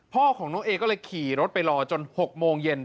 พ่อของน้องเอก็เลยขี่รถไปรอจน๖โมงเย็น